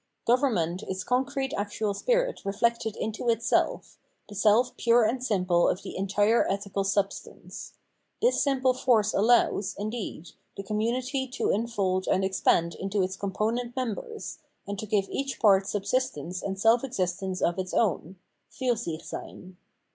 Government is concrete actual spirit reflected into itself, the self pure and simple of the entire ethical substance. This simple force allows, indeed, the community to unfold and expand into its component members, and to give each part subsistence and self existence of its own (Pursichseyn).